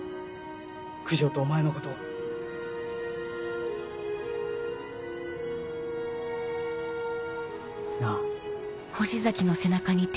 九条とお前のことを。なぁ。